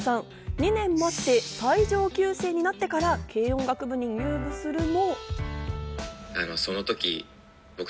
２年待って最上級生になってから軽音楽部に入部するも。